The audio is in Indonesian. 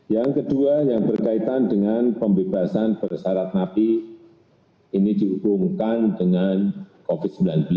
yang kedua yang berkaitan dengan pembebasan bersarat napi ini dihubungkan dengan covid sembilan belas